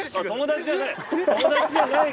友達じゃない？